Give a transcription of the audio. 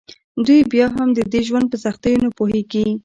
دوی بیا هم د دې ژوند په سختیو نه پوهیږي